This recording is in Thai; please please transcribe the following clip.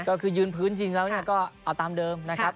ก็คือยืนพื้นจริงแล้วก็เอาตามเดิมนะครับ